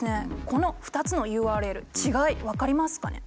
この２つのＵＲＬ違い分かりますかね。